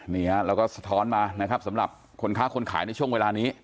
นี่ฮะแล้วก็สะท้อนมานะครับสำหรับคนค้าคนขายในช่วงเวลานี้